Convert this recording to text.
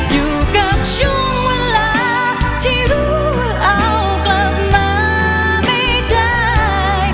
อยู่กับช่วงเวลาที่รู้เอากลับมาไม่ได้